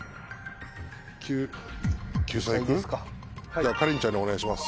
じゃあかりんちゃんにお願いします。